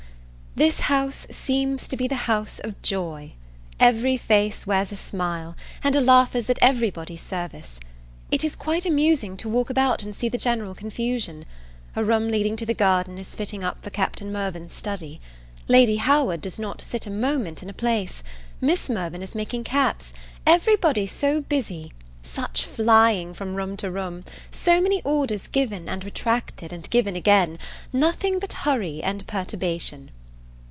THIS house seems to be the house of joy; every face wears a smile, and a laugh is at every body's service. It is quite amusing to walk about and see the general confusion; a room leading to the garden is fitting up for Captain Mirvan's study. Lady Howard does not sit a moment in a place; Miss Mirvan is making caps; every body so busy! such flying from room to room! so many orders given, and retracted, and given again! nothing but hurry and perturbation.